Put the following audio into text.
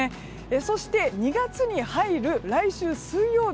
そして、２月に入る来週水曜日